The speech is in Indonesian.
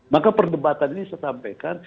maka perdebatan ini saya sampaikan